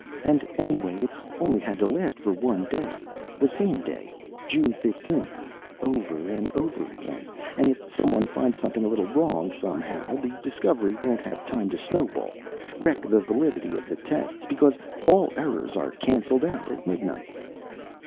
And anyway, it only has to last for one day. The same day June 15th over and over again; and if someone finds something a little wrong, somehow, the discovery won't have time to snowball, wreck the validity of the tests, because all errors are canceled out at midnight."